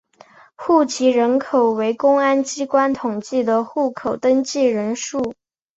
户籍人口为公安机关统计的户口登记人数。